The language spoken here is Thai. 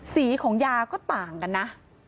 สีของยาก็ต่างกันนะ